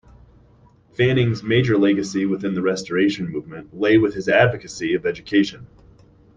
Fanning's major legacy within the Restoration Movement lay with his advocacy of education.